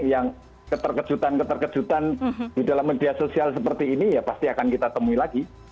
yang keterkejutan keterkejutan di dalam media sosial seperti ini ya pasti akan kita temui lagi